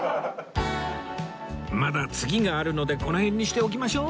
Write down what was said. まだ次があるのでこの辺にしておきましょう